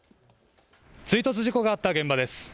追突事故があった現場です。